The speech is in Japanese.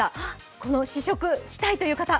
この試食したいという方！